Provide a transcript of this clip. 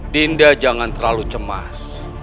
dinda jangan terlalu cemas